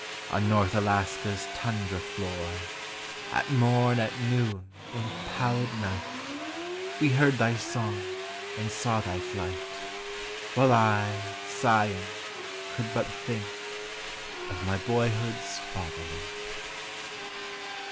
On north Alaska's tundra floor 316 POEMS OF NATURE. At morn, at noon, in pallid night, We heard thy song and saw thy flight, While I, sighing, could but think Of my boyhood's bobolink.